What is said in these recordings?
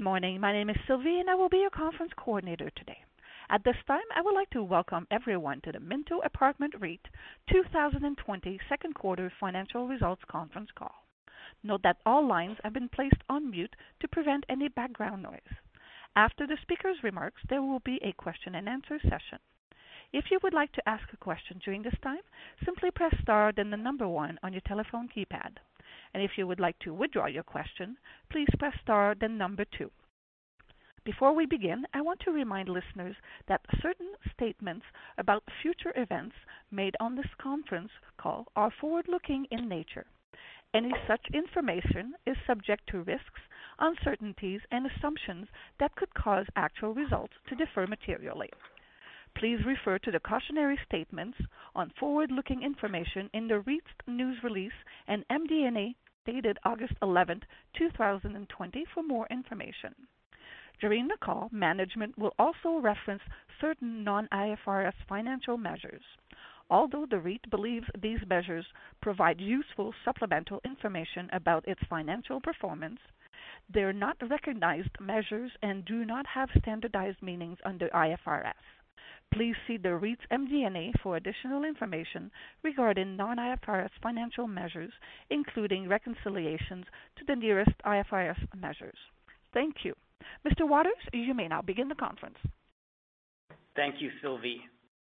Good morning. My name is Sylvie, and I will be your conference coordinator today. At this time, I would like to welcome everyone to the Minto Apartment REIT 2020 second quarter financial results conference call. Note that all lines have been placed on mute to prevent any background noise. After the speaker's remarks, there will be a question-and-answer session. If you would like to ask a question during this time, simply press star then the number one on your telephone keypad. If you would like to withdraw your question, please press star then number two. Before we begin, I want to remind listeners that certain statements about future events made on this conference call are forward-looking in nature. Any such information is subject to risks, uncertainties, and assumptions that could cause actual results to differ materially. Please refer to the cautionary statements on forward-looking information in the REIT's news release and MD&A dated August 11th, 2020, for more information. During the call, management will also reference certain non-IFRS financial measures. Although the REIT believes these measures provide useful supplemental information about its financial performance, they're not recognized measures and do not have standardized meanings under IFRS. Please see the REIT's MD&A for additional information regarding non-IFRS financial measures, including reconciliations to the nearest IFRS measures. Thank you. Mr. Waters, you may now begin the conference. Thank you, Sylvie,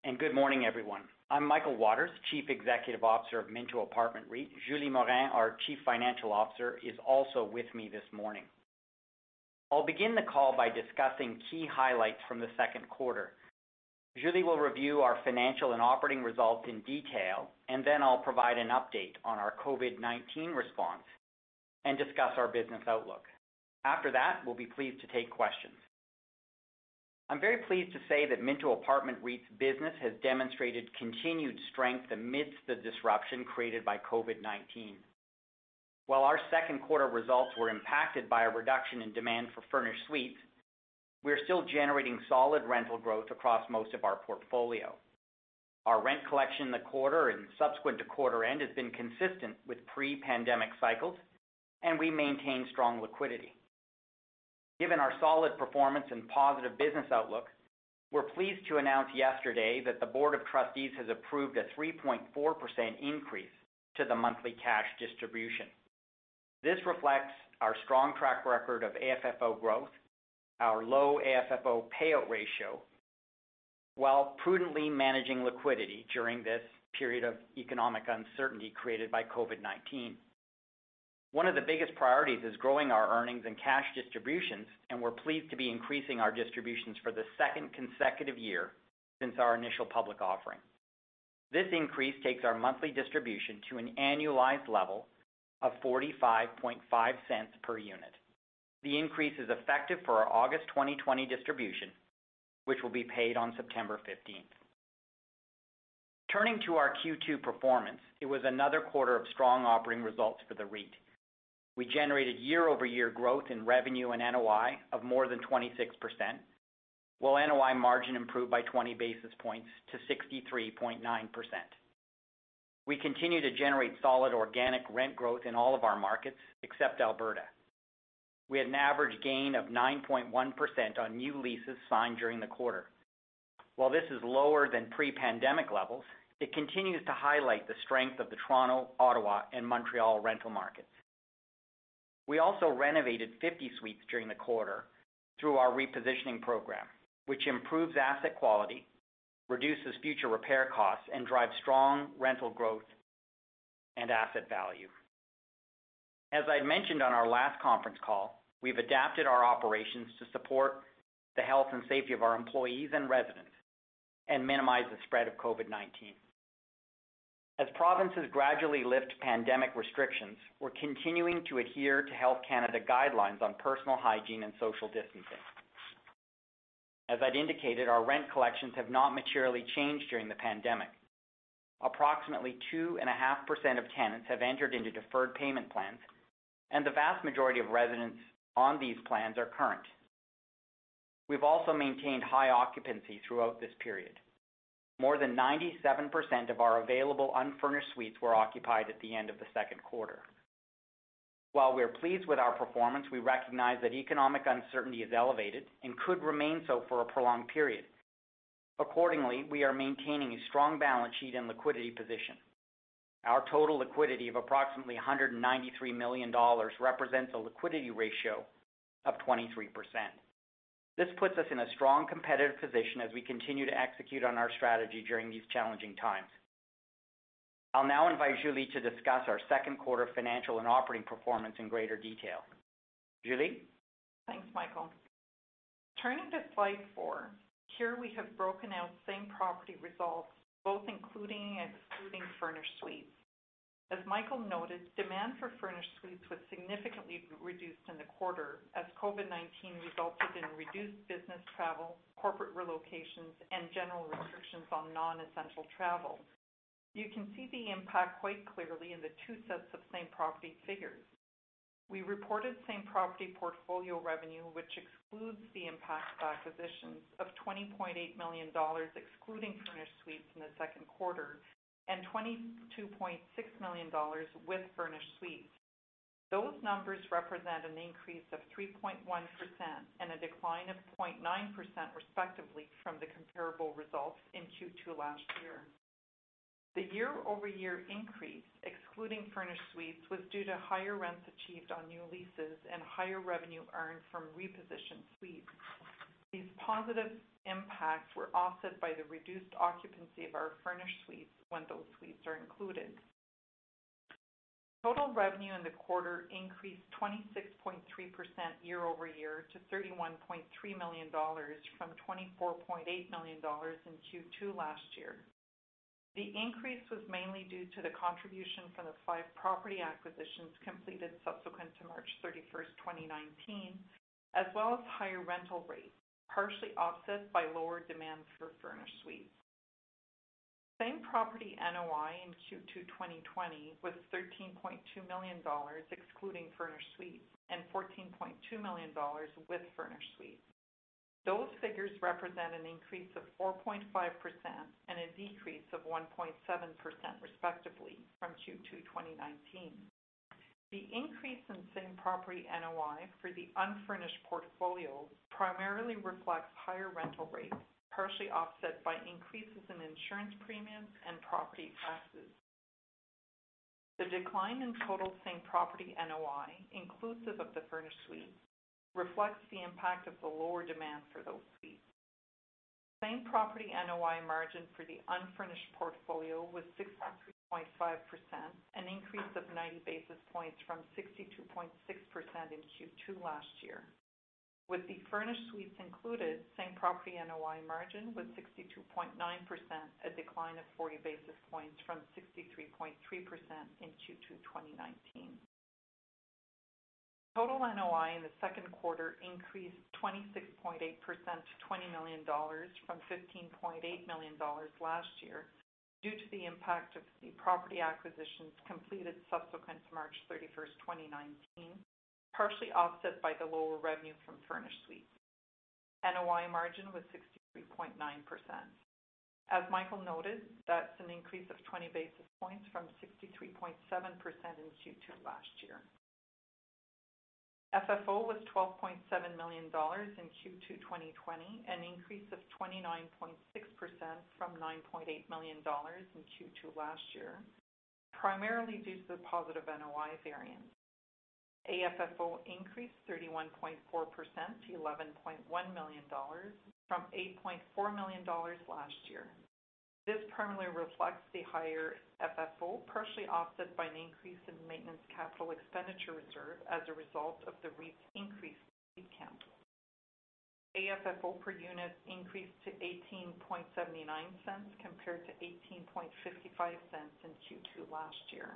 and good morning, everyone. I'm Michael Waters, Chief Executive Officer of Minto Apartment REIT. Julie Morin, our Chief Financial Officer, is also with me this morning. I'll begin the call by discussing key highlights from the second quarter. Julie will review our financial and operating results in detail, and then I'll provide an update on our COVID-19 response and discuss our business outlook. After that, we'll be pleased to take questions. I'm very pleased to say that Minto Apartment REIT's business has demonstrated continued strength amidst the disruption created by COVID-19. While our second quarter results were impacted by a reduction in demand for furnished suites, we are still generating solid rental growth across most of our portfolio. Our rent collection in the quarter and subsequent to quarter end has been consistent with pre-pandemic cycles, and we maintain strong liquidity. Given our solid performance and positive business outlook, we're pleased to announce yesterday that the Board of Trustees has approved a 3.4% increase to the monthly cash distribution. This reflects our strong track record of AFFO growth, our low AFFO payout ratio, while prudently managing liquidity during this period of economic uncertainty created by COVID-19. One of the biggest priorities is growing our earnings and cash distributions. We're pleased to be increasing our distributions for the second consecutive year since our initial public offering. This increase takes our monthly distribution to an annualized level of 0.455 per unit. The increase is effective for our August 2020 distribution, which will be paid on September 15th. Turning to our Q2 performance, it was another quarter of strong operating results for the REIT. We generated year-over-year growth in revenue and NOI of more than 26%, while NOI margin improved by 20 basis points to 63.9%. We continue to generate solid organic rent growth in all of our markets except Alberta. We had an average gain of 9.1% on new leases signed during the quarter. While this is lower than pre-pandemic levels, it continues to highlight the strength of the Toronto, Ottawa, and Montreal rental markets. We also renovated 50 suites during the quarter through our repositioning program, which improves asset quality, reduces future repair costs, and drives strong rental growth and asset value. As I mentioned on our last conference call, we've adapted our operations to support the health and safety of our employees and residents and minimize the spread of COVID-19. As provinces gradually lift pandemic restrictions, we're continuing to adhere to Health Canada guidelines on personal hygiene and social distancing. As I'd indicated, our rent collections have not materially changed during the pandemic. Approximately 2.5% of tenants have entered into deferred payment plans, and the vast majority of residents on these plans are current. We've also maintained high occupancy throughout this period. More than 97% of our available unfurnished suites were occupied at the end of the second quarter. While we are pleased with our performance, we recognize that economic uncertainty is elevated and could remain so for a prolonged period. Accordingly, we are maintaining a strong balance sheet and liquidity position. Our total liquidity of approximately 193 million dollars represents a liquidity ratio of 23%. This puts us in a strong competitive position as we continue to execute on our strategy during these challenging times. I'll now invite Julie to discuss our second quarter financial and operating performance in greater detail. Julie? Thanks, Michael. Turning to slide four. Here, we have broken out same property results, both including and excluding furnished suites. As Michael noted, demand for furnished suites was significantly reduced in the quarter as COVID-19 resulted in reduced business travel, corporate relocations, and general restrictions on non-essential travel. You can see the impact quite clearly in the two sets of same property figures. We reported same property portfolio revenue, which excludes the impact of acquisitions of 20.8 million dollars, excluding furnished suites in the second quarter, and 22.6 million dollars with furnished suites. Those numbers represent an increase of 3.1% and a decline of 0.9%, respectively, from the comparable results in Q2 last year. The year-over-year increase, excluding furnished suites, was due to higher rents achieved on new leases and higher revenue earned from repositioned suites. These positive impacts were offset by the reduced occupancy of our furnished suites when those suites are included. Total revenue in the quarter increased 26.3% year-over-year to 31.3 million dollars from 24.8 million dollars in Q2 last year. The increase was mainly due to the contribution from the five property acquisitions completed subsequent to March 31st, 2019, as well as higher rental rates, partially offset by lower demand for furnished suites. Same property NOI in Q2 2020 was 13.2 million dollars excluding furnished suites, and 14.2 million dollars with furnished suites. Those figures represent an increase of 4.5% and a decrease of 1.7%, respectively, from Q2 2019. The increase in same property NOI for the unfurnished portfolio primarily reflects higher rental rates, partially offset by increases in insurance premiums and property taxes. The decline in total same property NOI, inclusive of the furnished suites, reflects the impact of the lower demand for those suites. Same property NOI margin for the unfurnished portfolio was 63.5%, an increase of 90 basis points from 62.6% in Q2 last year. With the furnished suites included, same property NOI margin was 62.9%, a decline of 40 basis points from 63.3% in Q2 2019. Total NOI in the second quarter increased 26.8% to 20 million dollars from 15.8 million dollars last year due to the impact of the property acquisitions completed subsequent to March 31st, 2019, partially offset by the lower revenue from furnished suites. NOI margin was 63.9%. As Michael noted, that's an increase of 20 basis points from 63.7% in Q2 last year. FFO was 12.7 million dollars in Q2 2020, an increase of 29.6% from 9.8 million dollars in Q2 last year, primarily due to the positive NOI variance. AFFO increased 31.4% to 11.1 million dollars from 8.4 million dollars last year. This primarily reflects the higher FFO, partially offset by an increase in maintenance capital expenditure reserve as a result of the REIT's increased capital. AFFO per unit increased to 0.1879, compared to 0.1855 in Q2 last year.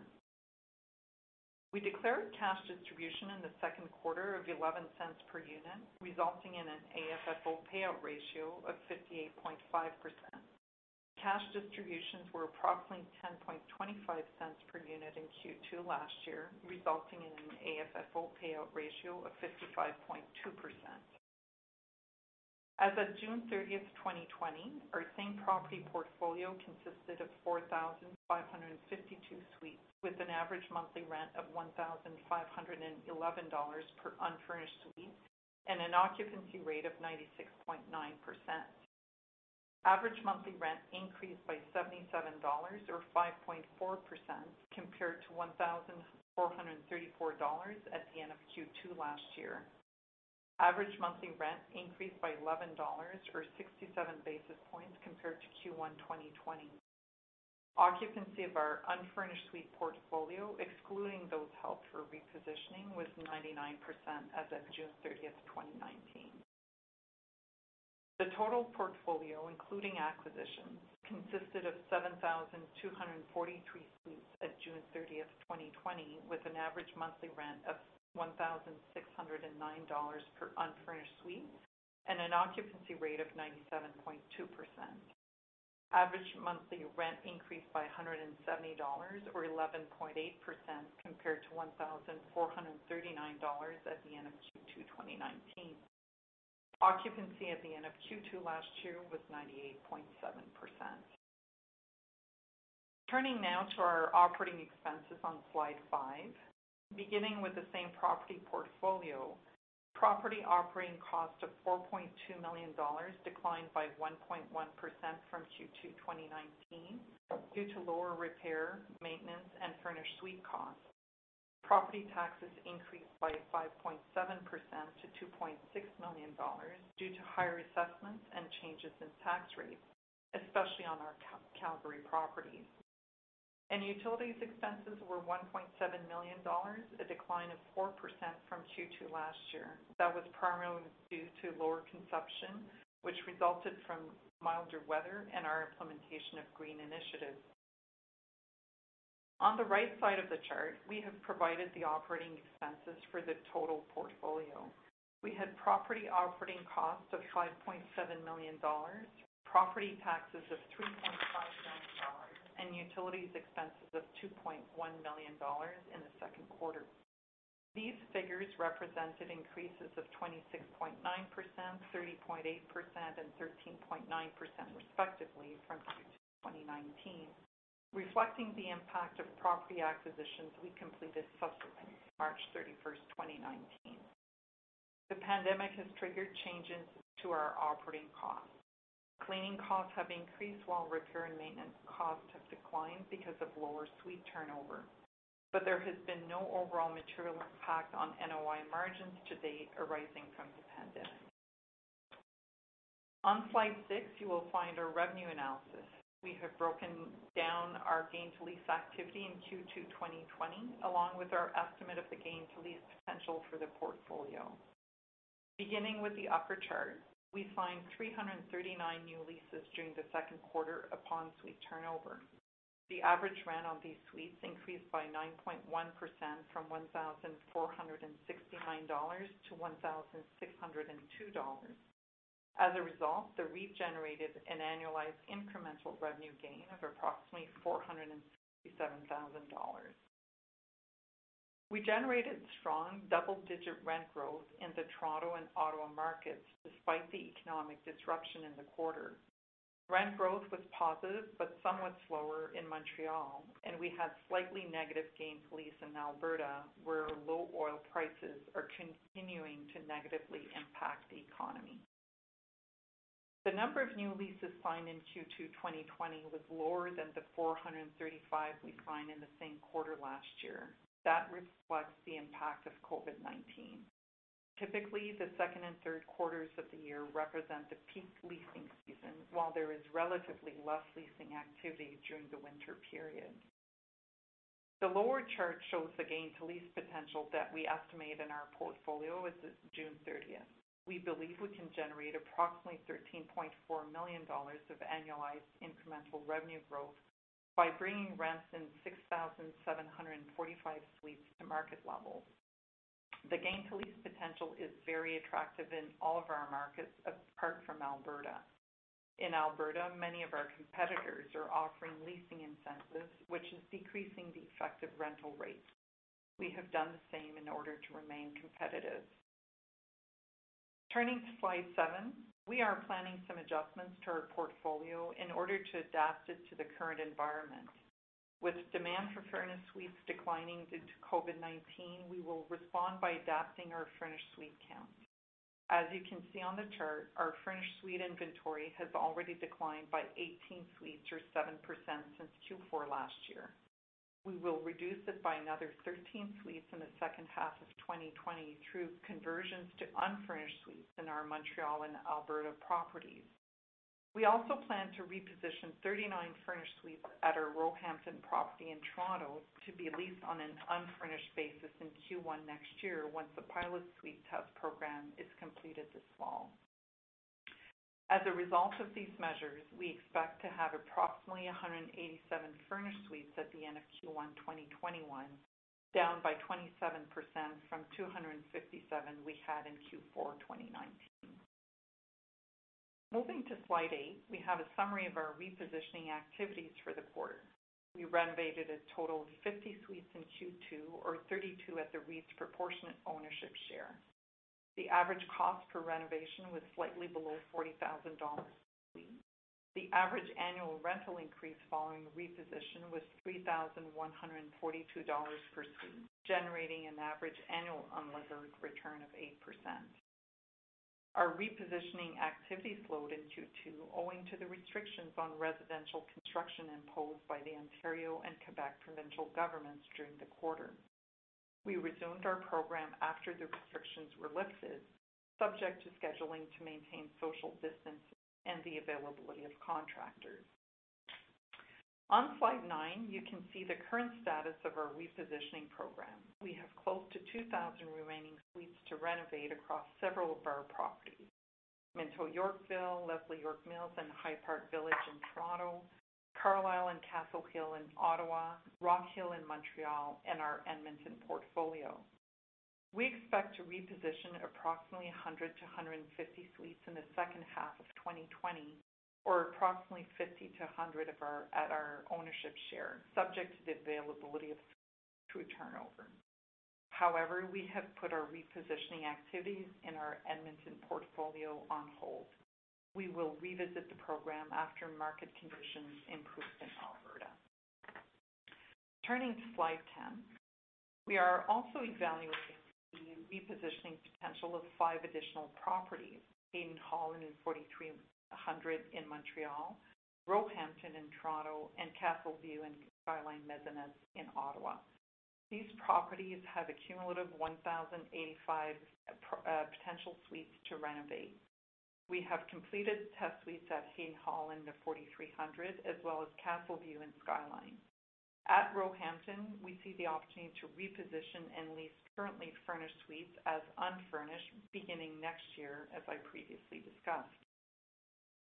We declared cash distribution in the second quarter of 0.11 per unit, resulting in an AFFO payout ratio of 58.5%. Cash distributions were approximately 0.1025 per unit in Q2 last year, resulting in an AFFO payout ratio of 55.2%. As of June 30th, 2020, our same property portfolio consisted of 4,552 suites, with an average monthly rent of 1,511 dollars per unfurnished suite and an occupancy rate of 96.9%. Average monthly rent increased by 77 dollars, or 5.4%, compared to 1,434 dollars at the end of Q2 last year. Average monthly rent increased by 11 dollars, or 67 basis points, compared to Q1 2020. Occupancy of our unfurnished suite portfolio, excluding those held for repositioning, was 99% as of June 30, 2019. The total portfolio, including acquisitions, consisted of 7,243 suites as of June 30, 2020, with an average monthly rent of 1,609 dollars per unfurnished suite and an occupancy rate of 97.2%. Average monthly rent increased by 170 dollars, or 11.8%, compared to 1,439 dollars at the end of Q2 2019. Occupancy at the end of Q2 last year was 98.7%. Turning now to our operating expenses on slide five. Beginning with the same property portfolio, property operating cost of 4.2 million dollars declined by 1.1% from Q2 2019 due to lower repair, maintenance, and furnished suite costs. Property taxes increased by 5.7% to 2.6 million dollars due to higher assessments and changes in tax rates, especially on our Calgary properties. Utilities expenses were 1.7 million dollars, a decline of 4% from Q2 last year. That was primarily due to lower consumption, which resulted from milder weather and our implementation of green initiatives. On the right side of the chart, we have provided the operating expenses for the total portfolio. We had property operating costs of 5.7 million dollars, property taxes of 3.5 million dollars, and utilities expenses of 2.1 million dollars in the second quarter. These figures represented increases of 26.9%, 30.8%, and 13.9%, respectively, from Q2 2019, reflecting the impact of property acquisitions we completed subsequent to March 31, 2019. The pandemic has triggered changes to our operating costs. Cleaning costs have increased while repair and maintenance costs have declined because of lower suite turnover. There has been no overall material impact on NOI margins to date arising from the pandemic. On slide six, you will find our revenue analysis. We have broken down our gain to lease activity in Q2 2020, along with our estimate of the gain to lease potential for the portfolio. Beginning with the upper chart, we signed 339 new leases during the second quarter upon suite turnover. The average rent on these suites increased by 9.1%, from 1,469-1,602 dollars. As a result, the REIT generated an annualized incremental revenue gain of approximately 467,000 dollars. We generated strong double-digit rent growth in the Toronto and Ottawa markets, despite the economic disruption in the quarter. Rent growth was positive but somewhat slower in Montreal, and we had slightly negative gain to lease in Alberta, where low oil prices are continuing to negatively impact the economy. The number of new leases signed in Q2 2020 was lower than the 435 we signed in the same quarter last year. That reflects the impact of COVID-19. Typically, the second and third quarters of the year represent the peak leasing season, while there is relatively less leasing activity during the winter period. The lower chart shows the gain to lease potential that we estimate in our portfolio as of June 30th. We believe we can generate approximately 13.4 million dollars of annualized incremental revenue growth by bringing rents in 6,745 suites to market level. The gain to lease potential is very attractive in all of our markets, apart from Alberta. In Alberta, many of our competitors are offering leasing incentives, which is decreasing the effective rental rates. We have done the same in order to remain competitive. Turning to slide seven, we are planning some adjustments to our portfolio in order to adapt it to the current environment. With demand for furnished suites declining due to COVID-19, we will respond by adapting our furnished suite count. As you can see on the chart, our furnished suite inventory has already declined by 18 suites or 7% since Q4 last year. We will reduce it by another 13 suites in the second half of 2020 through conversions to unfurnished suites in our Montreal and Alberta properties. We also plan to reposition 39 furnished suites at our Roehampton property in Toronto to be leased on an unfurnished basis in Q1 next year, once the pilot suite test program is completed this fall. As a result of these measures, we expect to have approximately 187 furnished suites at the end of Q1 2021, down by 27% from 257 we had in Q4 2019. Moving to slide eight, we have a summary of our repositioning activities for the quarter. We renovated a total of 50 suites in Q2, or 32 at the REIT's proportionate ownership share. The average cost per renovation was slightly below 40,000 dollars a suite. The average annual rental increase following reposition was 3,142 dollars per suite, generating an average annual unlevered return of 8%. Our repositioning activity slowed in Q2 owing to the restrictions on residential construction imposed by the Ontario and Quebec provincial governments during the quarter. We resumed our program after the restrictions were lifted, subject to scheduling to maintain social distancing and the availability of contractors. On slide nine, you can see the current status of our repositioning program. We have close to 2,000 remaining suites to renovate across several of our properties. Minto Yorkville, Leslie York Mills, and High Park Village in Toronto, Carlisle and Castle Hill in Ottawa, Rockhill in Montreal, and our Edmonton portfolio. We expect to reposition approximately 100-150 suites in the second half of 2020, or approximately 50-100 at our ownership share, subject to the availability of suite turnover. However, we have put our repositioning activities in our Edmonton portfolio on hold. We will revisit the program after market conditions improve in Alberta. Turning to slide 10. We are also evaluating the repositioning potential of five additional properties. Haddon Hall and Le 4300 in Montreal, Roehampton in Toronto, and Castleview and Skyline in Ottawa. These properties have a cumulative 1,085 potential suites to renovate. We have completed test suites at Haddon Hall and Le 4300, as well as Castleview and Skyline. At Roehampton, we see the opportunity to reposition and lease currently furnished suites as unfurnished beginning next year, as I previously discussed.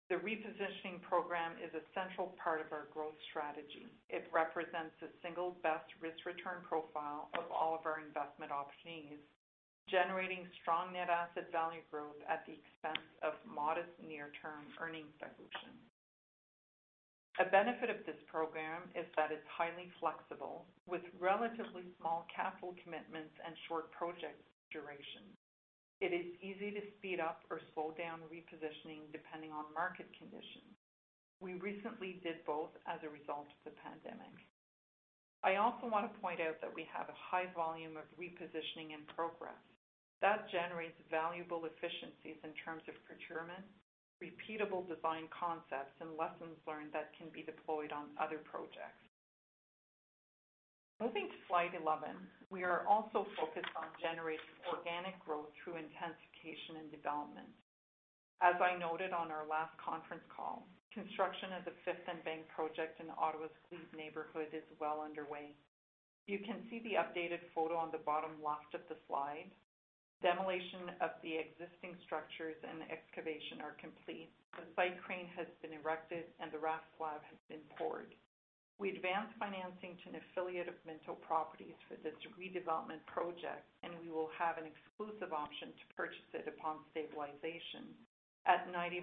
The repositioning program is a central part of our growth strategy. It represents the single best risk-return profile of all of our investment opportunities, generating strong net asset value growth at the expense of modest near-term earnings dilution. A benefit of this program is that it's highly flexible, with relatively small capital commitments and short project durations. It is easy to speed up or slow down repositioning depending on market conditions. We recently did both as a result of the pandemic. I also want to point out that we have a high volume of repositioning in progress. That generates valuable efficiencies in terms of procurement, repeatable design concepts, and lessons learned that can be deployed on other projects. Moving to slide 11. We are also focused on generating organic growth through intensification and development. As I noted on our last conference call, construction of the Fifth and Bank project in Ottawa's Lees neighborhood is well underway. You can see the updated photo on the bottom left of the slide. Demolition of the existing structures and excavation are complete. The site crane has been erected, and the raft slab has been poured. We advanced financing to an affiliate of Minto Properties for this redevelopment project, and we will have an exclusive option to purchase it upon stabilization at 95%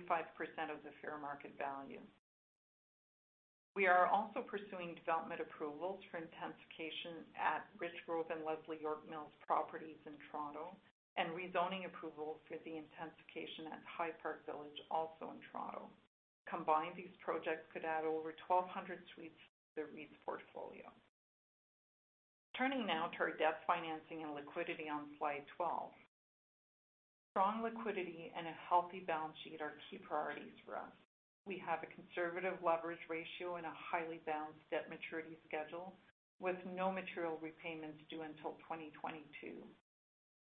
of the fair market value. We are also pursuing development approvals for intensification at Richgrove and Leslie York Mills properties in Toronto, and rezoning approvals for the intensification at High Park Village, also in Toronto. Combined, these projects could add over 1,200 suites to the REIT's portfolio. Turning now to our debt financing and liquidity on slide 12. Strong liquidity and a healthy balance sheet are key priorities for us. We have a conservative leverage ratio and a highly balanced debt maturity schedule, with no material repayments due until 2022.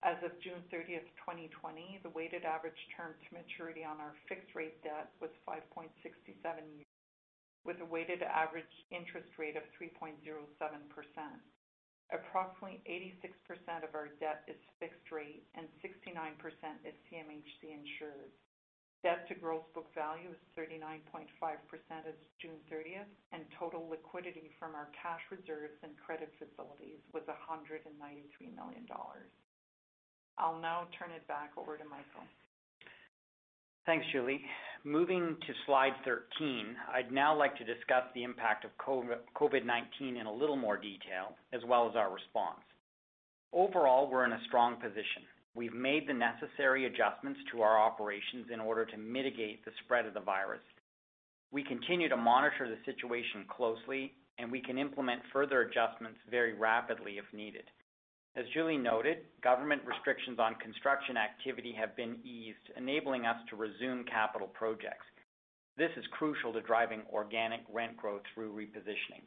As of June 30th, 2020, the weighted average term to maturity on our fixed-rate debt was 5.67 years, with a weighted average interest rate of 3.07%. Approximately 86% of our debt is fixed rate and 69% is CMHC insured. Debt to gross book value is 39.5% as of June 30th, and total liquidity from our cash reserves and credit facilities was 193 million dollars. I'll now turn it back over to Michael. Thanks, Julie. Moving to slide 13. I'd now like to discuss the impact of COVID-19 in a little more detail, as well as our response. Overall, we're in a strong position. We've made the necessary adjustments to our operations in order to mitigate the spread of the virus. We continue to monitor the situation closely, we can implement further adjustments very rapidly if needed. As Julie noted, government restrictions on construction activity have been eased, enabling us to resume capital projects. This is crucial to driving organic rent growth through repositioning.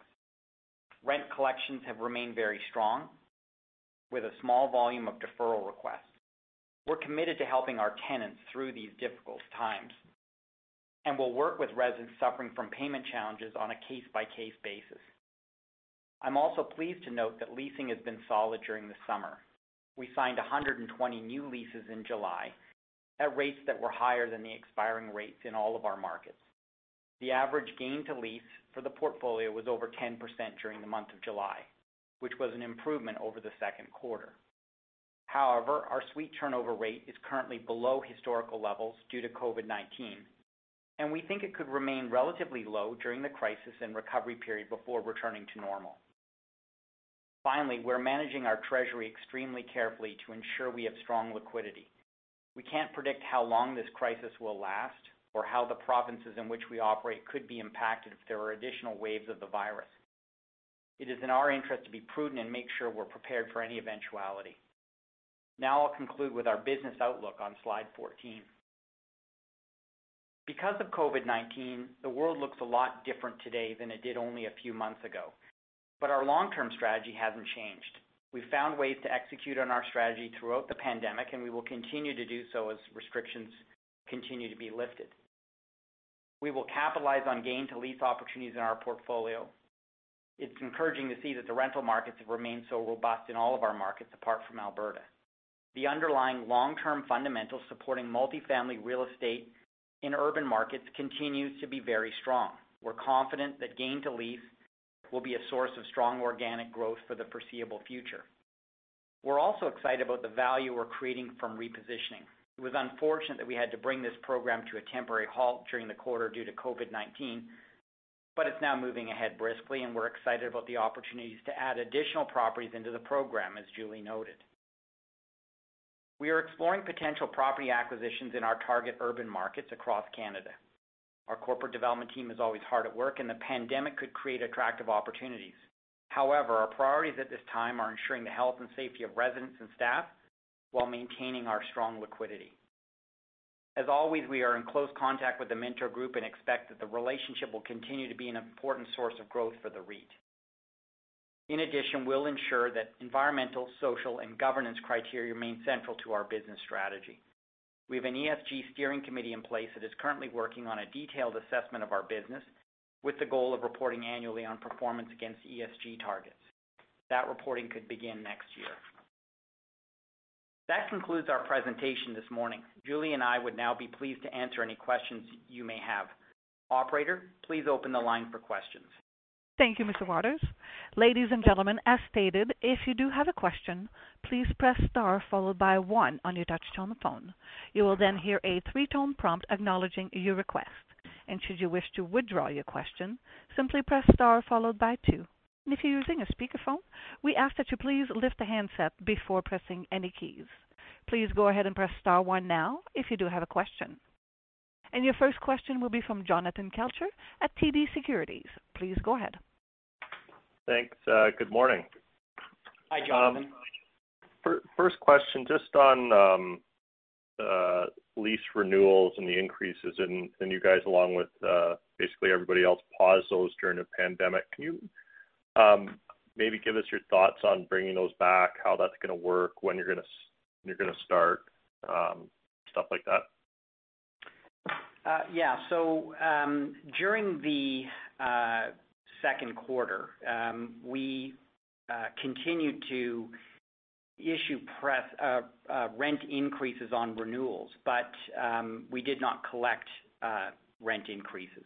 Rent collections have remained very strong, with a small volume of deferral requests. We're committed to helping our tenants through these difficult times, we'll work with residents suffering from payment challenges on a case-by-case basis. I'm also pleased to note that leasing has been solid during the summer. We signed 120 new leases in July at rates that were higher than the expiring rates in all of our markets. The average gain to lease for the portfolio was over 10% during the month of July, which was an improvement over the second quarter. However, our suite turnover rate is currently below historical levels due to COVID-19, and we think it could remain relatively low during the crisis and recovery period before returning to normal. Finally, we're managing our treasury extremely carefully to ensure we have strong liquidity. We can't predict how long this crisis will last or how the provinces in which we operate could be impacted if there are additional waves of the virus. It is in our interest to be prudent and make sure we're prepared for any eventuality. Now I'll conclude with our business outlook on slide 14. Because of COVID-19, the world looks a lot different today than it did only a few months ago, but our long-term strategy hasn't changed. We've found ways to execute on our strategy throughout the pandemic, and we will continue to do so as restrictions continue to be lifted. We will capitalize on gain to lease opportunities in our portfolio. It's encouraging to see that the rental markets have remained so robust in all of our markets, apart from Alberta. The underlying long-term fundamentals supporting multi-family real estate in urban markets continues to be very strong. We're confident that gain to lease will be a source of strong organic growth for the foreseeable future. We're also excited about the value we're creating from repositioning. It was unfortunate that we had to bring this program to a temporary halt during the quarter due to COVID-19, but it's now moving ahead briskly and we're excited about the opportunities to add additional properties into the program, as Julie noted. We are exploring potential property acquisitions in our target urban markets across Canada. Our corporate development team is always hard at work, and the pandemic could create attractive opportunities. However, our priorities at this time are ensuring the health and safety of residents and staff while maintaining our strong liquidity. As always, we are in close contact with the Minto Group and expect that the relationship will continue to be an important source of growth for the REIT. In addition, we'll ensure that environmental, social, and governance criteria remain central to our business strategy. We have an ESG steering committee in place that is currently working on a detailed assessment of our business with the goal of reporting annually on performance against ESG targets. That reporting could begin next year. That concludes our presentation this morning. Julie and I would now be pleased to answer any questions you may have. Operator, please open the line for questions. Thank you, Mr. Waters. Ladies and gentlemen, as stated, if you do have a question, please press star followed by one on your touch-tone phone. You will then hear a three-tone prompt acknowledging your request. Should you wish to withdraw your question, simply press star followed by two. If you're using a speakerphone, we ask that you please lift the handset before pressing any keys. Please go ahead and press star one now if you do have a question. Your first question will be from Jonathan Kelcher at TD Securities. Please go ahead. Thanks. Good morning. Hi, Jonathan. First question, just on lease renewals and the increases. You guys, along with basically everybody else, paused those during the pandemic. Can you maybe give us your thoughts on bringing those back, how that's going to work, when you're going to start, stuff like that? Yeah. During the second quarter, we continued to issue rent increases on renewals, but we did not collect rent increases.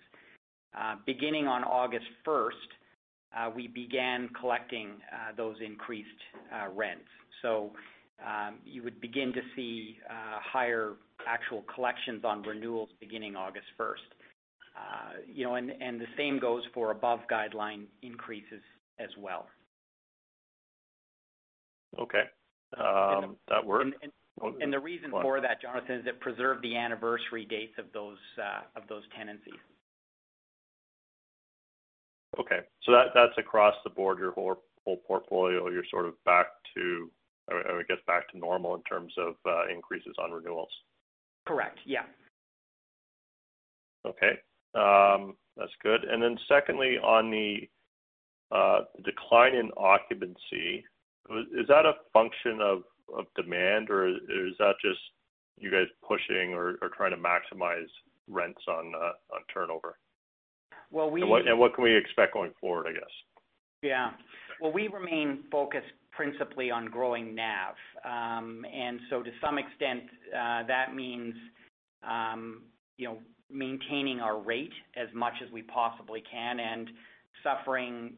Beginning on August 1st, we began collecting those increased rents. You would begin to see higher actual collections on renewals beginning August 1st. The same goes for above-guideline increases as well. Okay. That work- The reason for that, Jonathan, is it preserved the anniversary dates of those tenancies. That is across the board, your whole portfolio, you are sort of back to normal in terms of increases on renewals. Correct. Yeah. Okay. That's good. Secondly, on the decline in occupancy, is that a function of demand, or is that just you guys pushing or trying to maximize rents on turnover? Well, we- What can we expect going forward, I guess? Well, we remain focused principally on growing NAV. To some extent, that means maintaining our rate as much as we possibly can and suffering,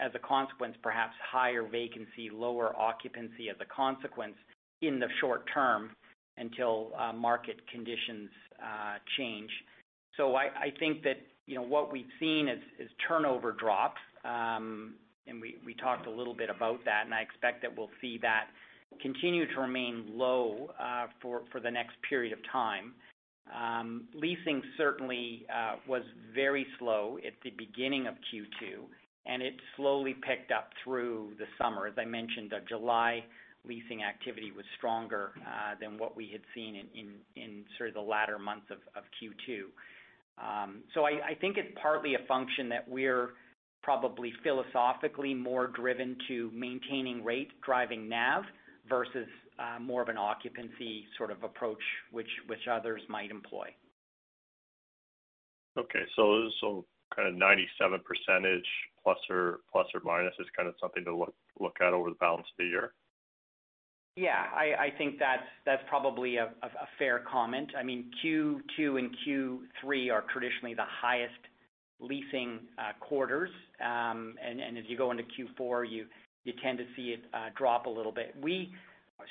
as a consequence, perhaps higher vacancy, lower occupancy as a consequence in the short term until market conditions change. I think that what we've seen is turnover drops. We talked a little bit about that, and I expect that we'll see that continue to remain low for the next period of time. Leasing certainly was very slow at the beginning of Q2, and it slowly picked up through the summer. As I mentioned, our July leasing activity was stronger than what we had seen in sort of the latter months of Q2. I think it's partly a function that we're probably philosophically more driven to maintaining rate, driving NAV, versus more of an occupancy sort of approach, which others might employ. Okay. kind of 97% ± is kind of something to look at over the balance of the year? Yeah, I think that's probably a fair comment. Q2 and Q3 are traditionally the highest leasing quarters. As you go into Q4, you tend to see it drop a little bit. We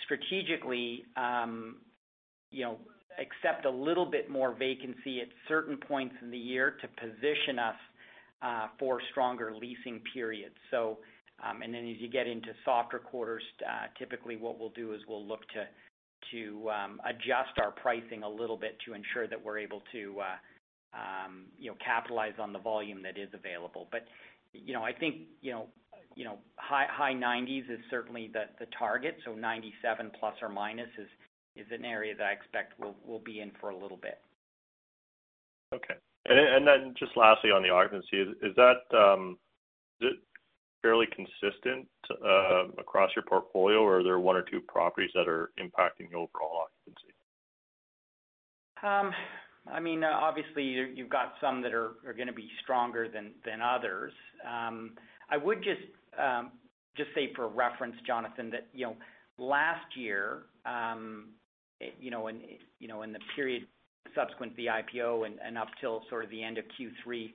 strategically accept a little bit more vacancy at certain points in the year to position us for stronger leasing periods. As you get into softer quarters, typically what we'll do is we'll look to adjust our pricing a little bit to ensure that we're able to capitalize on the volume that is available. I think high 90s is certainly the target. 97%± is an area that I expect we'll be in for a little bit. Okay. Then just lastly on the occupancy, is that fairly consistent across your portfolio, or are there one or two properties that are impacting the overall occupancy? You've got some that are going to be stronger than others. I would just say for reference, Jonathan, that last year, in the period subsequent to the IPO and up till sort of the end of Q3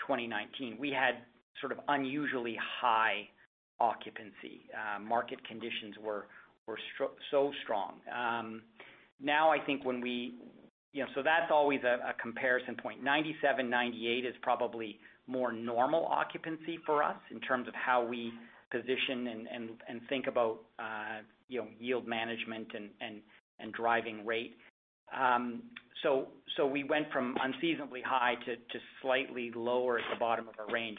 2019, we had sort of unusually high occupancy. Market conditions were so strong. That's always a comparison point. 97%, 98% is probably more normal occupancy for us in terms of how we position and think about yield management and driving rate. We went from unseasonably high to slightly lower at the bottom of our range.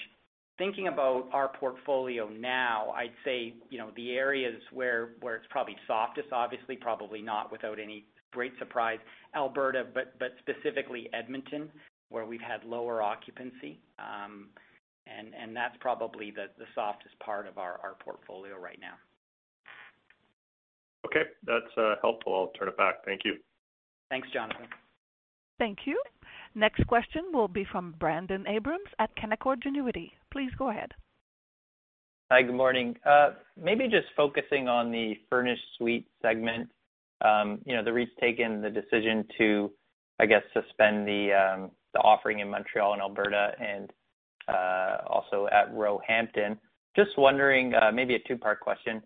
Thinking about our portfolio now, I'd say the areas where it's probably softest, obviously, probably not without any great surprise, Alberta, but specifically Edmonton, where we've had lower occupancy. That's probably the softest part of our portfolio right now. Okay. That's helpful. I'll turn it back. Thank you. Thanks, Jonathan. Thank you. Next question will be from Brendon Abrams at Canaccord Genuity. Please go ahead. Hi. Good morning. Maybe just focusing on the furnished suite segment. The REIT's taken the decision to, I guess, suspend the offering in Montreal and Alberta and also at Roehampton. Maybe a two-part question.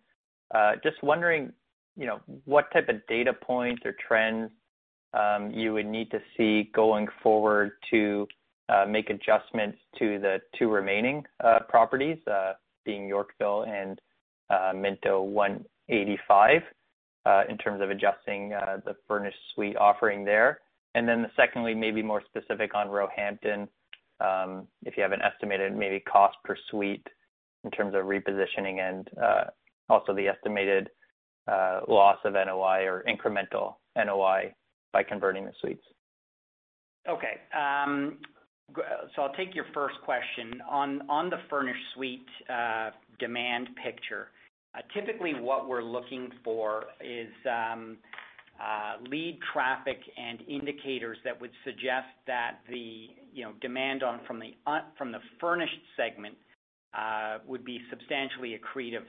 Just wondering what type of data points or trends you would need to see going forward to make adjustments to the two remaining properties, being Yorkville and Minto One80five, in terms of adjusting the furnished suite offering there. Secondly, maybe more specific on Roehampton. If you have an estimated maybe cost per suite in terms of repositioning, and also the estimated loss of NOI or incremental NOI by converting the suites. I'll take your first question. On the furnished suite demand picture, typically what we're looking for is lead traffic and indicators that would suggest that the demand from the furnished segment would be substantially accretive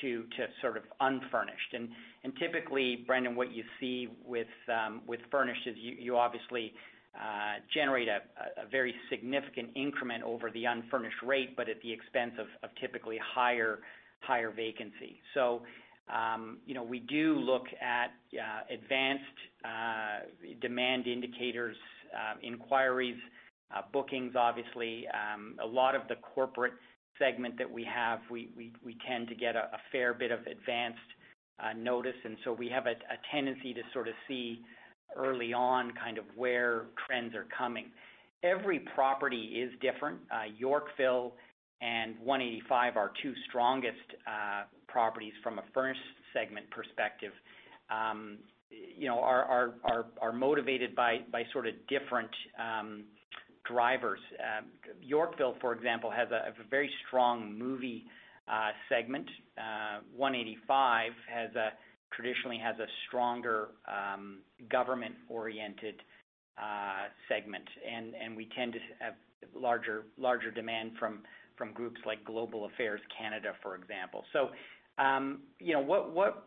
to sort of unfurnished. Typically, Brendon, what you see with furnished is you obviously generate a very significant increment over the unfurnished rate, but at the expense of typically higher vacancy. We do look at advanced demand indicators, inquiries, bookings obviously. A lot of the corporate segment that we have, we tend to get a fair bit of advanced notice, we have a tendency to sort of see early on kind of where trends are coming. Every property is different. Yorkville and One80five, our two strongest properties from a furnished segment perspective, are motivated by sort of different drivers. Yorkville, for example, has a very strong movie segment. One80five traditionally has a stronger government-oriented segment. We tend to have larger demand from groups like Global Affairs Canada, for example.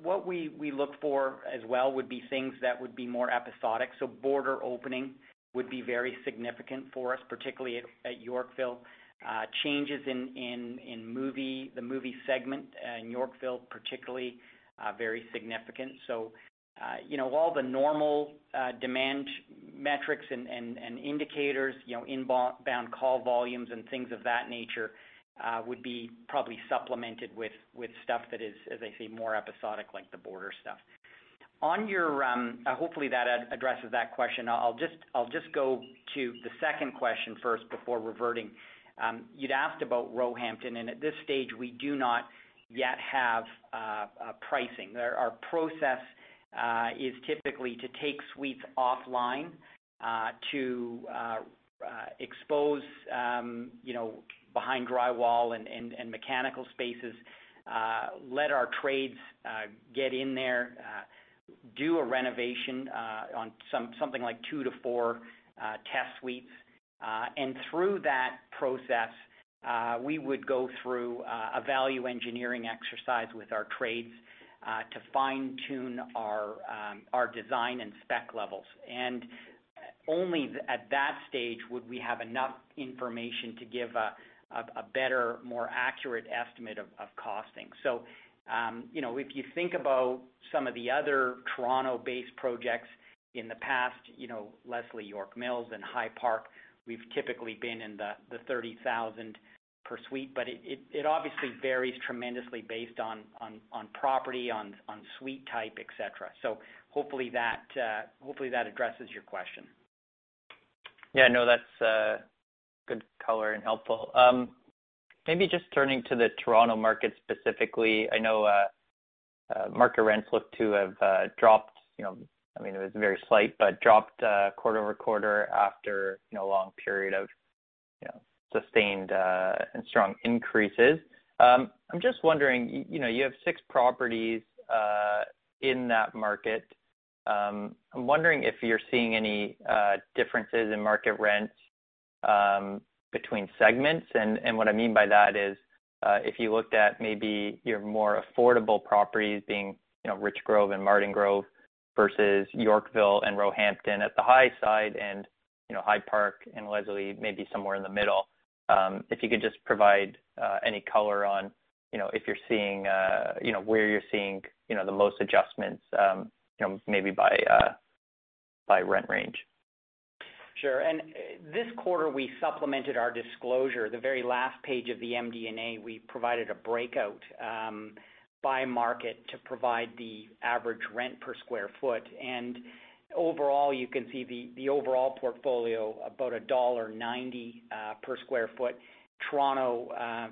What we look for as well would be things that would be more episodic. Border opening would be very significant for us, particularly at Yorkville. Changes in the movie segment in Yorkville, particularly, very significant. All the normal demand metrics and indicators, inbound call volumes and things of that nature, would be probably supplemented with stuff that is, as I say, more episodic, like the border stuff. Hopefully that addresses that question. I'll just go to the second question first before reverting. You'd asked about Roehampton. At this stage, we do not yet have pricing. Our process is typically to take suites offline to expose behind drywall and mechanical spaces, let our trades get in there, do a renovation on something like two to four test suites. Through that process, we would go through a value engineering exercise with our trades to fine-tune our design and spec levels. Only at that stage would we have enough information to give a better, more accurate estimate of costing. If you think about some of the other Toronto-based projects in the past, Leslie York Mills and High Park, we've typically been in the 30,000 per suite, but it obviously varies tremendously based on property, on suite type, et cetera. Hopefully that addresses your question. Yeah, no, that's good color and helpful. Maybe just turning to the Toronto market specifically. I know market rents look to have dropped, I mean, it was very slight, but dropped quarter-over-quarter after a long period of sustained and strong increases. I'm just wondering, you have six properties in that market. I'm wondering if you're seeing any differences in market rents between segments. What I mean by that is if you looked at maybe your more affordable properties being Richgrove and Martin Grove versus Yorkville and Roehampton at the high side, and High Park and Leslie maybe somewhere in the middle. If you could just provide any color on where you're seeing the most adjustments maybe by rent range. Sure. This quarter, we supplemented our disclosure. The very last page of the MD&A, we provided a breakout by market to provide the average rent per square foot. Overall, you can see the overall portfolio about dollar 1.90 per square foot. Toronto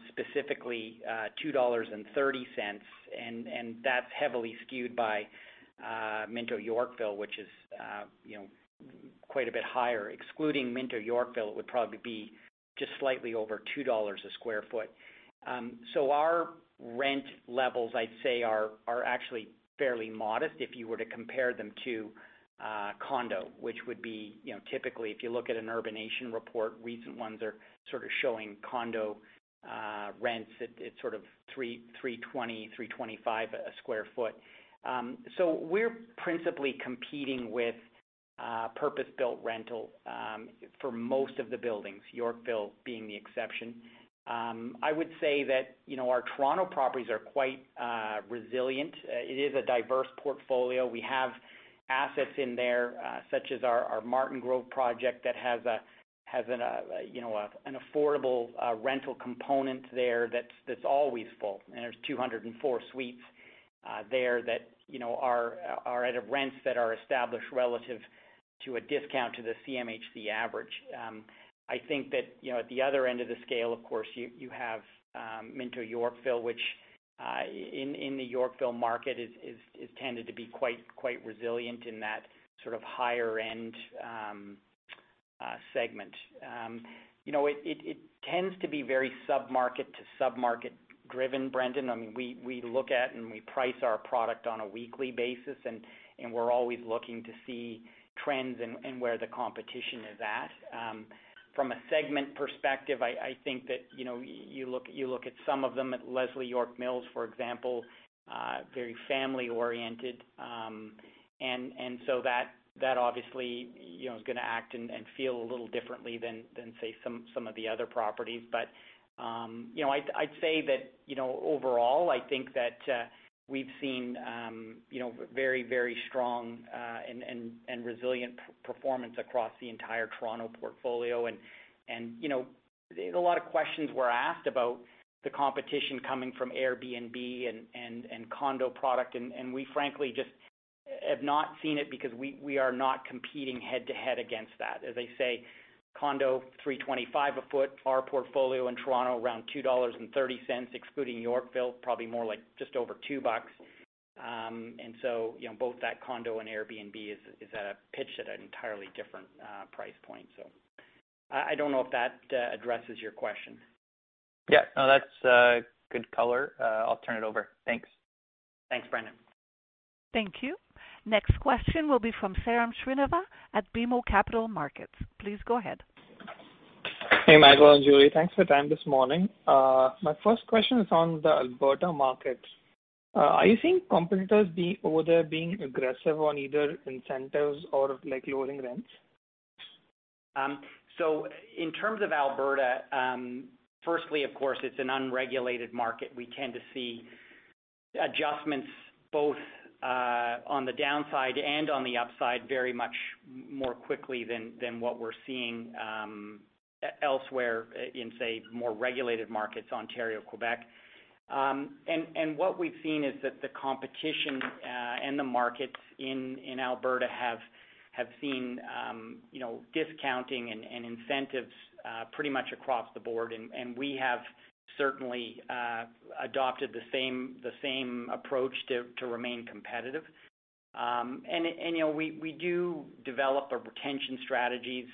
specifically, 2.30 dollars, and that's heavily skewed by Minto Yorkville, which is quite a bit higher. Excluding Minto Yorkville, it would probably be just slightly over 2 dollars a square foot. Our rent levels, I'd say, are actually fairly modest if you were to compare them to condo, which would be typically, if you look at an Urbanation report, recent ones are sort of showing condo rents at sort of 3.00, 3.20, 3.25 a square foot. We're principally competing with purpose-built rental for most of the buildings, Yorkville being the exception. I would say that our Toronto properties are quite resilient. It is a diverse portfolio. We have assets in there, such as our Martin Grove project that has an affordable rental component there that's always full, and there's 204 suites there that are at rents that are established relative to a discount to the CMHC average. I think that at the other end of the scale, of course, you have Minto Yorkville, which in the Yorkville market has tended to be quite resilient in that sort of higher-end segment. It tends to be very sub-market to sub-market driven, Brendon. We look at and we price our product on a weekly basis, we're always looking to see trends in where the competition is at. From a segment perspective, I think that you look at some of them at Leslie York Mills, for example, very family-oriented. That obviously is going to act and feel a little differently than, say, some of the other properties. I'd say that overall, I think that we've seen very strong and resilient performance across the entire Toronto portfolio. A lot of questions were asked about the competition coming from Airbnb and condo product, and we frankly just have not seen it because we are not competing head-to-head against that. As I say, condo 3.25 a foot. Our portfolio in Toronto around 2.30 dollars, excluding Yorkville, probably more like just over 2.00 bucks. Both that condo and Airbnb is pitched at an entirely different price point. I don't know if that addresses your question. Yeah. No, that's good color. I'll turn it over. Thanks. Thanks, Brendon. Thank you. Next question will be from Sairam Srinivas at BMO Capital Markets. Please go ahead. Hey, Michael and Julie. Thanks for the time this morning. My first question is on the Alberta market. Are you seeing competitors over there being aggressive on either incentives or lowering rents? In terms of Alberta, firstly, of course, it's an unregulated market. We tend to see adjustments both on the downside and on the upside very much more quickly than what we're seeing elsewhere in, say, more regulated markets, Ontario, Quebec. What we've seen is that the competition and the markets in Alberta have seen discounting and incentives pretty much across the board. We have certainly adopted the same approach to remain competitive. We do develop our retention strategies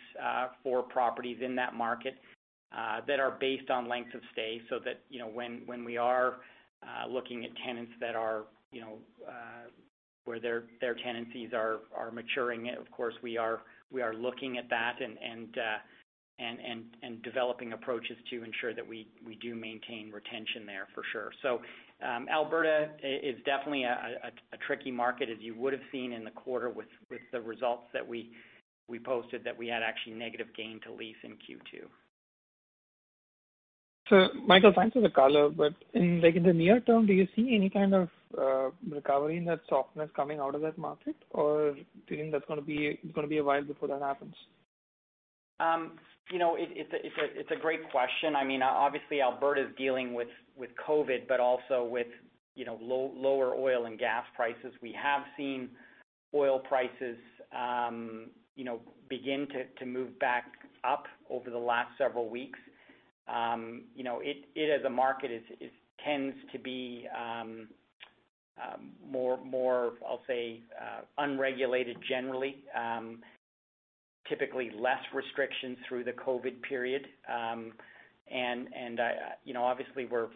for properties in that market that are based on length of stay, so that when we are looking at tenants where their tenancies are maturing, of course, we are looking at that and developing approaches to ensure that we do maintain retention there for sure. Alberta is definitely a tricky market as you would've seen in the quarter with the results that we posted that we had actually negative gain to lease in Q2. Michael, thanks for the color. In the near term, do you see any kind of recovery in that softness coming out of that market or do you think that's going to be a while before that happens? It's a great question. Obviously Alberta is dealing with COVID, but also with lower oil and gas prices. We have seen oil prices begin to move back up over the last several weeks. It as a market tends to be more, I'll say, unregulated generally. Typically less restrictions through the COVID period. Obviously we're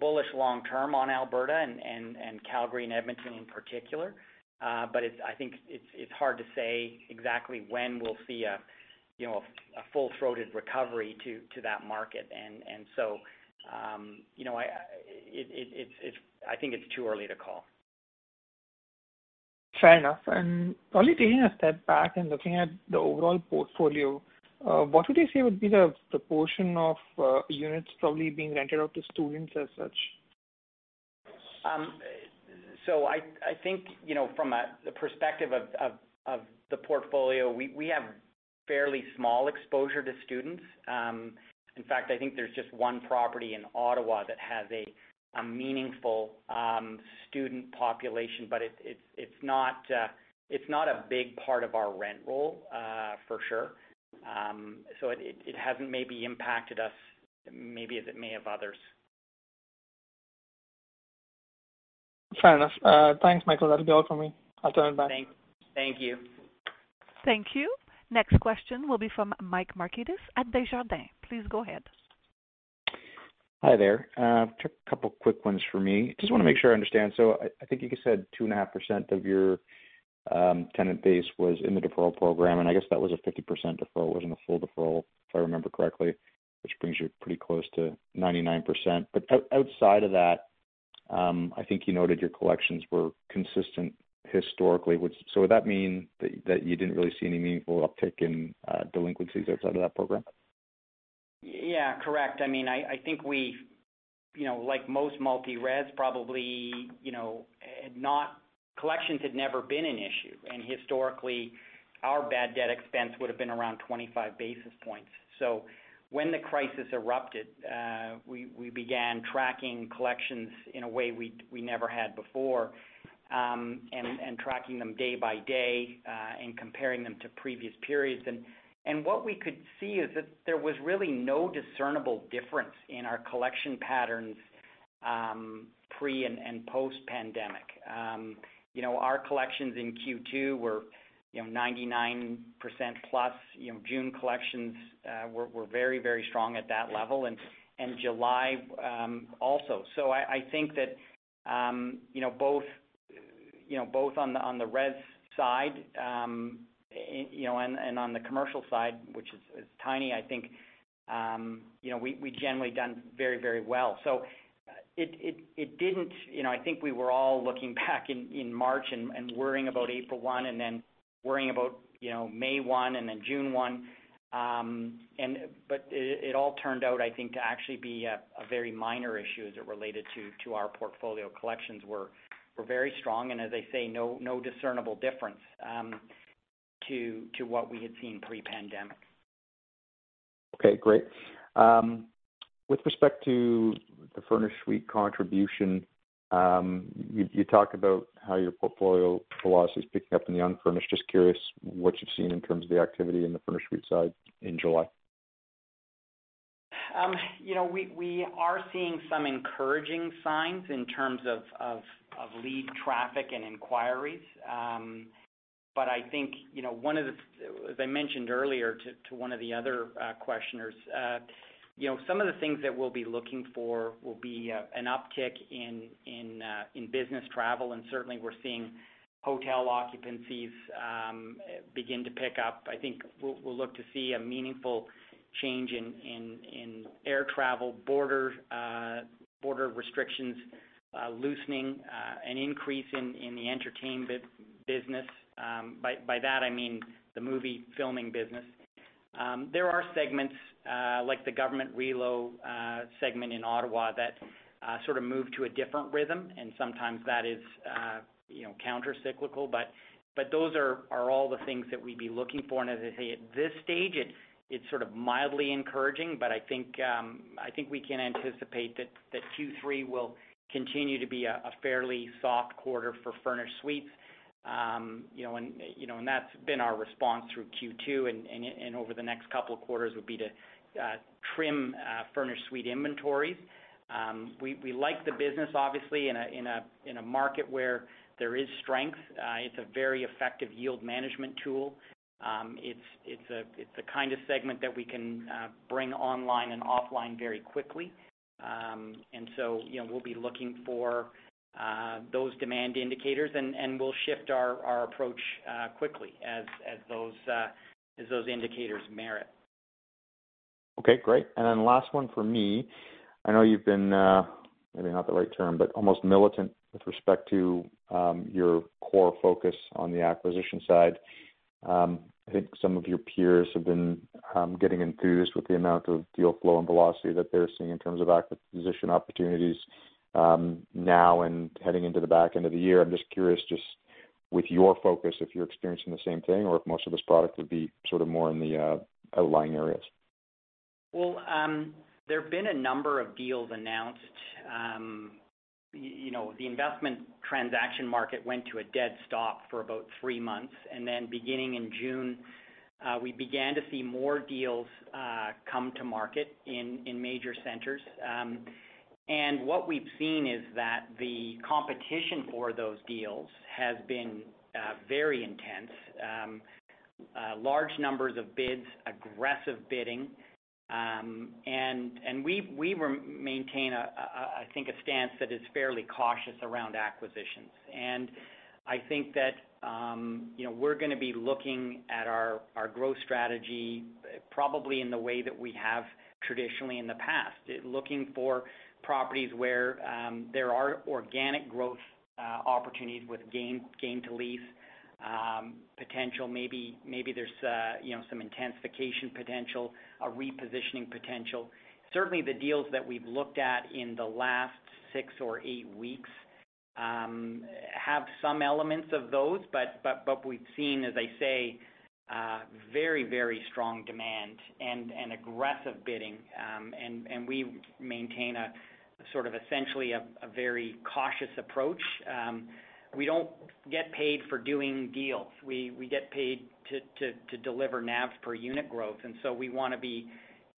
bullish long-term on Alberta and Calgary and Edmonton in particular. I think it's hard to say exactly when we'll see a full-throated recovery to that market. I think it's too early to call. Fair enough. Probably taking a step back and looking at the overall portfolio, what would you say would be the proportion of units probably being rented out to students as such? I think from a perspective of the portfolio, we have fairly small exposure to students. In fact, I think there's just one property in Ottawa that has a meaningful student population, but it's not a big part of our rent roll for sure. It hasn't maybe impacted us maybe as it may have others. Fair enough. Thanks, Michael. That'll be all for me. I'll turn it back. Thank you. Thank you. Next question will be from Mike Markidis at Desjardins. Please go ahead. Hi there. Just a couple quick ones for me. Just want to make sure I understand. I think you said 2.5% of your tenant base was in the deferral program, and I guess that was a 50% deferral. It wasn't a full deferral, if I remember correctly, which brings you pretty close to 99%. Outside of that, I think you noted your collections were consistent historically. Would that mean that you didn't really see any meaningful uptick in delinquencies outside of that program? Yeah. Correct. I think we, like most multi-res probably, Collections had never been an issue. Historically, our bad debt expense would've been around 25 basis points. When the crisis erupted, we began tracking collections in a way we never had before, and tracking them day by day, and comparing them to previous periods. What we could see is that there was really no discernible difference in our collection patterns, pre and post-pandemic. Our collections in Q2 were 99% plus. June collections were very strong at that level and July also. I think that both on the res side, and on the commercial side, which is tiny, I think we've generally done very well. I think we were all looking back in March and worrying about April 1, and then worrying about May 1, and then June 1. It all turned out, I think, to actually be a very minor issue as it related to our portfolio. Collections were very strong and as I say, no discernible difference to what we had seen pre-pandemic. Okay, great. With respect to the furnished suite contribution, you talk about how your portfolio velocity's picking up in the unfurnished. Just curious what you've seen in terms of the activity in the furnished suite side in July? We are seeing some encouraging signs in terms of lead traffic and inquiries. I think as I mentioned earlier to one of the other questioners, some of the things that we'll be looking for will be an uptick in business travel, and certainly we're seeing hotel occupancies begin to pick up. I think we'll look to see a meaningful change in air travel border restrictions loosening, an increase in the entertainment business. By that I mean the movie filming business. There are segments like the government relo segment in Ottawa that sort of move to a different rhythm, and sometimes that is countercyclical. Those are all the things that we'd be looking for. As I say, at this stage, it's sort of mildly encouraging, but I think we can anticipate that Q3 will continue to be a fairly soft quarter for furnished suites. That's been our response through Q2 and over the next couple of quarters, would be to trim furnished suite inventories. We like the business, obviously, in a market where there is strength. It's a very effective yield management tool. It's the kind of segment that we can bring online and offline very quickly. We'll be looking for those demand indicators, and we'll shift our approach quickly as those indicators merit. Okay, great. Last one from me. I know you've been, maybe not the right term, but almost militant with respect to your core focus on the acquisition side. I think some of your peers have been getting enthused with the amount of deal flow and velocity that they're seeing in terms of acquisition opportunities now and heading into the back end of the year. I'm just curious, just with your focus, if you're experiencing the same thing, or if most of this product would be sort of more in the outlying areas. Well, there've been a number of deals announced. The investment transaction market went to a dead stop for about three months, and then beginning in June, we began to see more deals come to market in major centers. What we've seen is that the competition for those deals has been very intense. Large numbers of bids, aggressive bidding. We maintain, I think, a stance that is fairly cautious around acquisitions. I think that we're going to be looking at our growth strategy probably in the way that we have traditionally in the past. Looking for properties where there are organic growth opportunities with gain to lease potential. Maybe there's some intensification potential, a repositioning potential. Certainly, the deals that we've looked at in the last six or eight weeks have some elements of those, but we've seen, as I say, very strong demand and aggressive bidding. We maintain essentially a very cautious approach. We don't get paid for doing deals. We get paid to deliver NAV per unit growth. So we want to be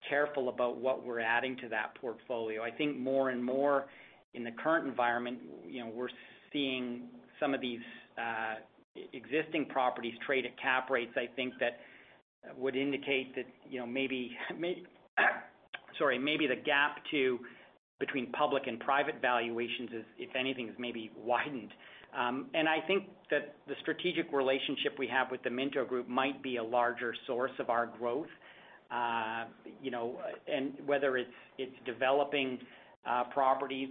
careful about what we're adding to that portfolio. I think more and more in the current environment, we're seeing some of these existing properties trade at cap rates, I think that would indicate that maybe the gap between public and private valuations is, if anything, is maybe widened. I think that the strategic relationship we have with the Minto Group might be a larger source of our growth. Whether it's developing properties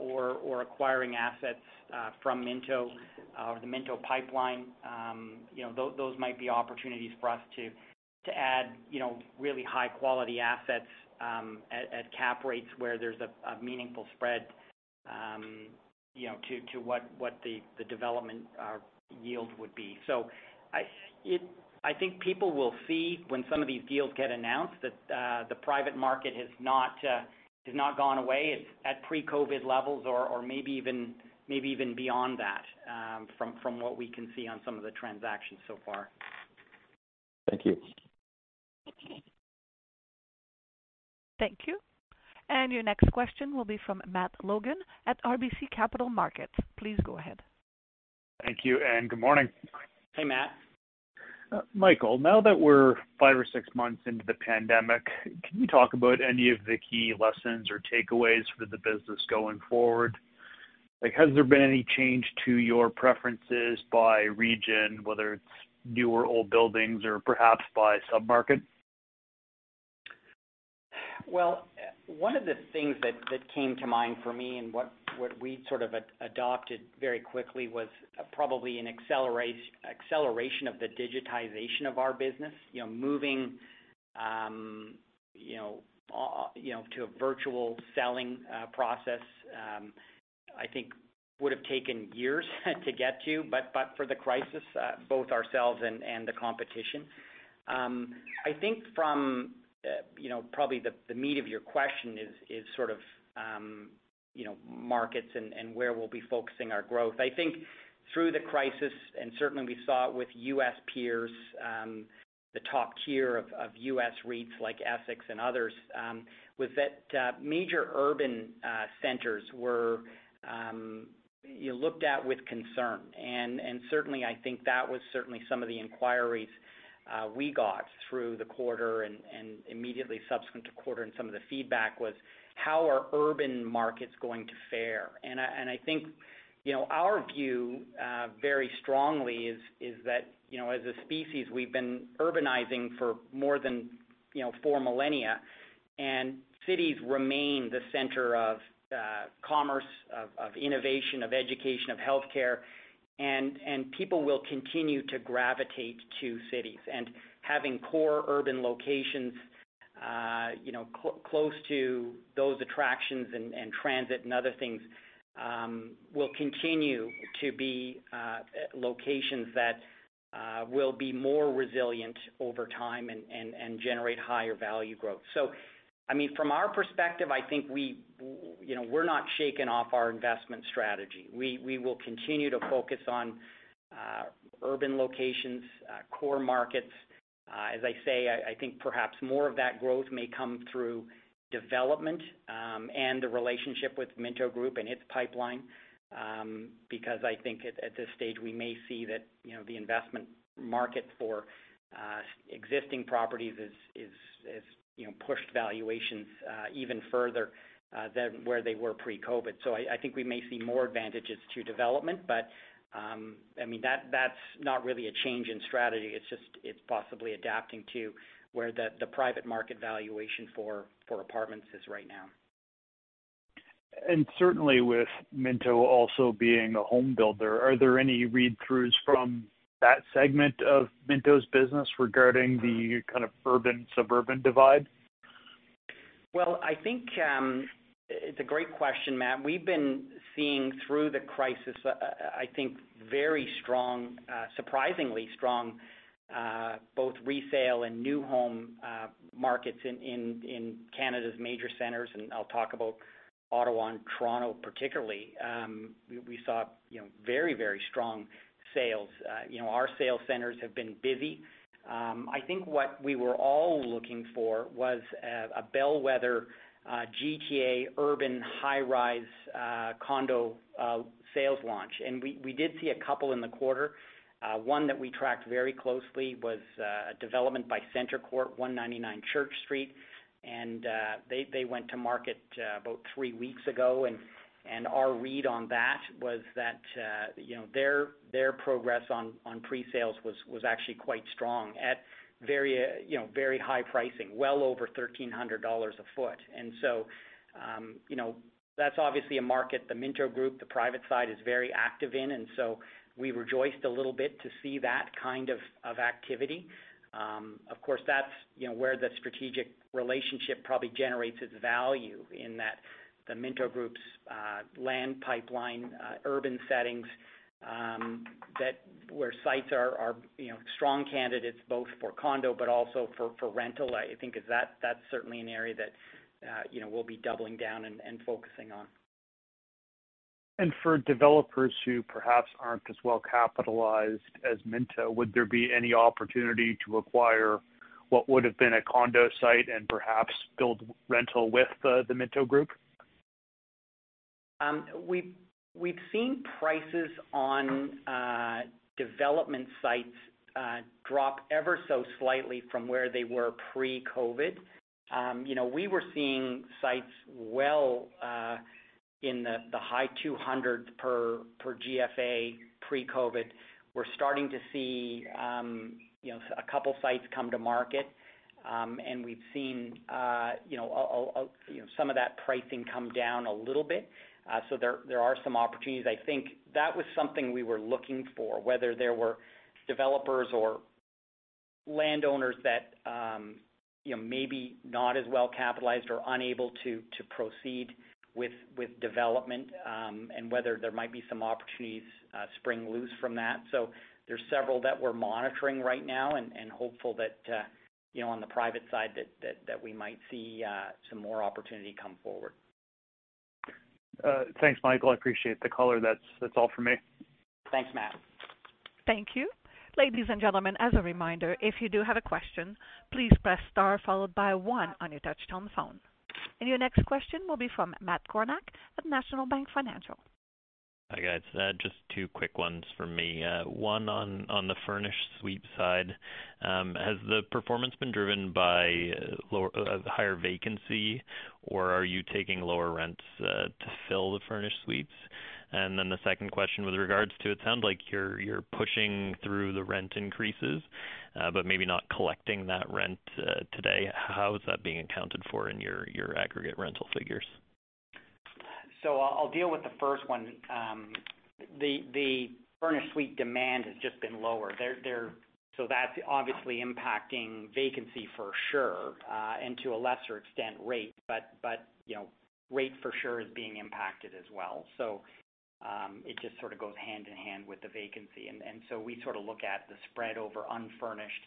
or acquiring assets from Minto or the Minto pipeline, those might be opportunities for us to add really high-quality assets at cap rates where there's a meaningful spread to what the development yield would be. I think people will see when some of these deals get announced that the private market has not gone away. It's at pre-COVID levels or maybe even beyond that from what we can see on some of the transactions so far. Thank you. Thank you. Your next question will be from Matt Logan at RBC Capital Markets. Please go ahead. Thank you, and good morning. Hey, Matt. Michael, now that we're five or six months into the pandemic, can you talk about any of the key lessons or takeaways for the business going forward? Has there been any change to your preferences by region, whether it's new or old buildings or perhaps by sub-market? Well, one of the things that came to mind for me and what we sort of adopted very quickly was probably an acceleration of the digitization of our business. Moving to a virtual selling process, I think would've taken years to get to but for the crisis, both ourselves and the competition. I think from probably the meat of your question is sort of markets and where we'll be focusing our growth. I think through the crisis, and certainly we saw it with U.S. peers, the top tier of U.S. REITs like Essex and others, was that major urban centers were looked at with concern. Certainly, I think that was certainly some of the inquiries we got through the quarter and immediately subsequent to quarter and some of the feedback was how are urban markets going to fare? I think our view very strongly is that as a species, we've been urbanizing for more than four millennia, and cities remain the center of commerce, of innovation, of education, of healthcare. People will continue to gravitate to cities. Having core urban locations close to those attractions and transit and other things will continue to be locations that will be more resilient over time and generate higher value growth. From our perspective, I think we're not shaken off our investment strategy. We will continue to focus on urban locations, core markets. As I say, I think perhaps more of that growth may come through development and the relationship with Minto Group and its pipeline because I think at this stage, we may see that the investment market for existing properties has pushed valuations even further than where they were pre-COVID. I think we may see more advantages to development, but that's not really a change in strategy. It's just possibly adapting to where the private market valuation for apartments is right now. Certainly with Minto also being a home builder, are there any read-throughs from that segment of Minto's business regarding the kind of urban-suburban divide? Well, I think it's a great question, Matt. We've been seeing through the crisis, I think very strong, surprisingly strong both resale and new home markets in Canada's major centers, and I'll talk about Ottawa and Toronto particularly. We saw very strong sales. Our sales centers have been busy. I think what we were all looking for was a bellwether GTA urban high-rise condo sales launch. We did see a couple in the quarter. One that we tracked very closely was a development by CentreCourt, 199 Church Street. They went to market about three weeks ago, and our read on that was that their progress on pre-sales was actually quite strong at very high pricing, well over 1,300 dollars a foot. That's obviously a market the Minto Group, the private side, is very active in. We rejoiced a little bit to see that kind of activity. Of course, that's where the strategic relationship probably generates its value in that the Minto Group's land pipeline, urban settings where sites are strong candidates both for condo but also for rental. I think that's certainly an area that we'll be doubling down and focusing on. For developers who perhaps aren't as well capitalized as Minto, would there be any opportunity to acquire what would've been a condo site and perhaps build rental with the Minto Group? We've seen prices on development sites drop ever so slightly from where they were pre-COVID. We were seeing sites well in the high 200s per GFA pre-COVID. We're starting to see a couple sites come to market. We've seen some of that pricing come down a little bit. There are some opportunities. I think that was something we were looking for, whether there were developers or landowners that maybe not as well capitalized or unable to proceed with development, and whether there might be some opportunities spring loose from that. There's several that we're monitoring right now and hopeful that on the private side that we might see some more opportunity come forward. Thanks, Michael. I appreciate the color. That's all for me. Thanks, Matt. Thank you. Ladies and gentlemen, as a reminder, if you do have a question, please press star followed by one on your touch-tone phone. Your next question will be from Matt Kornack of National Bank Financial. Hi, guys. Just two quick ones for me. One on the furnished suite side. Has the performance been driven by higher vacancy, or are you taking lower rents to fill the furnished suites? The second question with regards to it sounds like you're pushing through the rent increases, but maybe not collecting that rent today. How is that being accounted for in your aggregate rental figures? I'll deal with the first one. The furnished suite demand has just been lower. That's obviously impacting vacancy for sure, and to a lesser extent, rate. Rate for sure is being impacted as well. It just sort of goes hand in hand with the vacancy. We sort of look at the spread over unfurnished,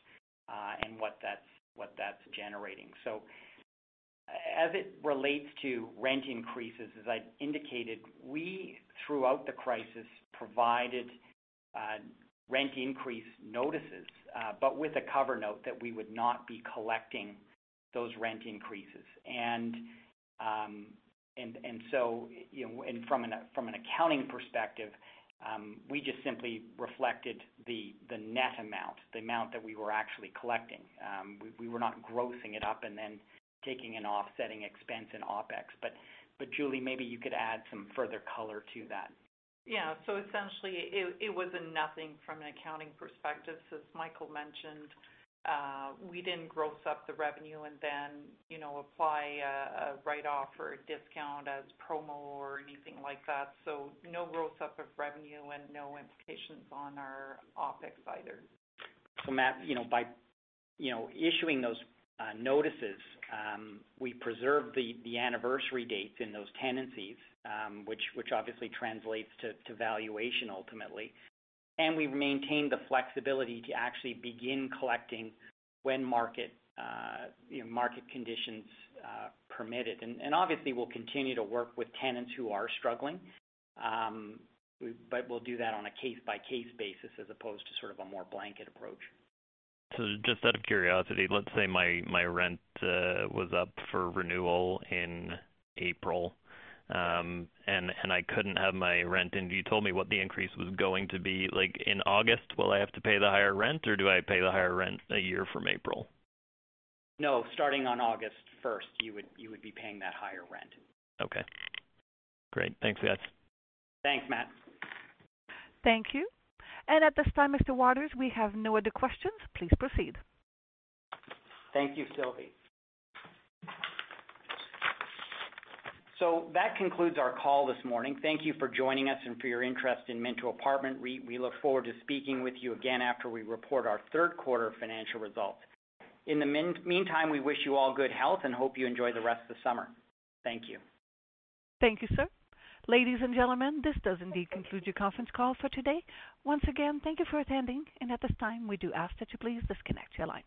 and what that's generating. As it relates to rent increases, as I indicated, we, throughout the crisis, provided rent increase notices, but with a cover note that we would not be collecting those rent increases. From an accounting perspective, we just simply reflected the net amount, the amount that we were actually collecting. We were not grossing it up and then taking an offsetting expense in OpEx. Julie, maybe you could add some further color to that. Yeah. Essentially, it was a nothing from an accounting perspective, as Michael mentioned. We didn't gross up the revenue and then apply a write-off or a discount as promo or anything like that. No gross up of revenue and no implications on our OpEx either. Matt, by issuing those notices, we preserve the anniversary dates in those tenancies, which obviously translates to valuation ultimately. We've maintained the flexibility to actually begin collecting when market conditions permit it. Obviously, we'll continue to work with tenants who are struggling. We'll do that on a case-by-case basis as opposed to sort of a more blanket approach. Just out of curiosity, let's say my rent was up for renewal in April, and if I couldn't have my rent, and you told me what the increase was going to be like in August. Will I have to pay the higher rent, or do I pay the higher rent a year from April? No, starting on August 1st, you would be paying that higher rent. Okay, great. Thanks, guys. Thanks, Matt. Thank you. At this time, Mr. Waters, we have no other questions. Please proceed. Thank you, Sylvie. That concludes our call this morning. Thank you for joining us and for your interest in Minto Apartment. We look forward to speaking with you again after we report our third quarter financial results. In the meantime, we wish you all good health and hope you enjoy the rest of the summer. Thank you. Thank you, sir. Ladies and gentlemen, this does indeed conclude your conference call for today. Once again, thank you for attending, and at this time, we do ask that you please disconnect your lines.